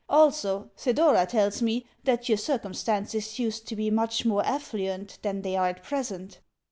Also, Thedora tells me that your circumstances used to be much more affluent than they are at present.